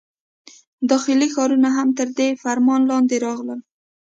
داخلي ښارونه هم تر دې فرمان لاندې راغلل.